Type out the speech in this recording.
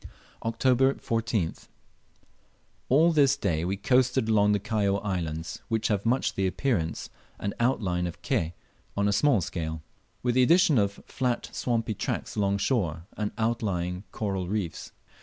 October 14th. All this day we coasted along the Kaióa Islands, which have much the appearance and outline of Ke on a small scale, with the addition of flat swampy tracts along shore, and outlying coral reefs.